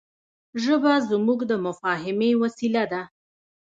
ژبه زموږ د مفاهيمي وسیله ده.